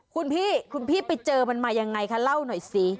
คุณพี่คุณพี่ไปเจอมันมายังไงคะเล่าหน่อยสิ